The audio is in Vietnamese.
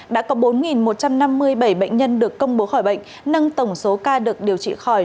đã có bốn một trăm năm mươi bảy bệnh nhân được công bố khỏi bệnh nâng tổng số ca được điều trị khỏi